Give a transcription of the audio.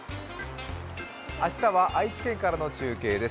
明日は愛知県からの中継です。